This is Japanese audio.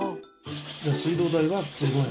じゃあ水道代は０円？